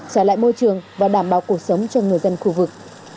trả lại môi trường và đảm bảo cuộc sống cho người dân khu vực